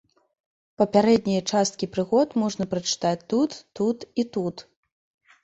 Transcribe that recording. Папярэднія часткі прыгод можна прачытаць тут, тут і тут.